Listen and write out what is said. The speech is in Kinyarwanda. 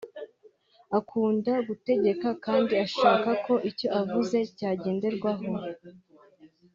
akunda gutegeka kandi ashaka ko icyo avuze cyagenderwaho